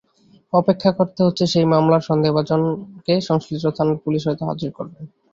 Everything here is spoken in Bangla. অপেক্ষা করতে হচ্ছে সেই মামলার সন্দেহভাজনকে সংশ্লিষ্ট থানার পুলিশ হয়তো হাজির করবেন।